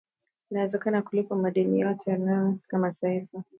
inawezekana kulipa madeni yote wanayodaiwa kama taifa